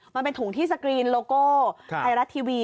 มันเป็นถุงที่สกรีนโลโก้ไทยรัฐทีวี